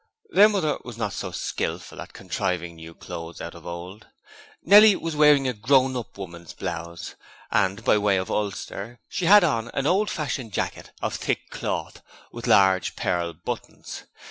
Their mother was not so skilful at contriving new clothes out of old. Nellie was wearing a grown up woman's blouse, and by way of ulster she had on an old fashioned jacket of thick cloth with large pearl buttons.